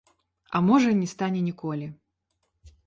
А можа, не стане ніколі.